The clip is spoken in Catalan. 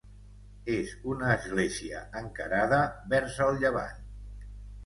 És una església encarada vers el llevant.